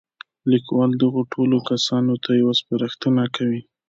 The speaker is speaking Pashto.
ليکوال دغو ټولو کسانو ته يوه سپارښتنه کوي.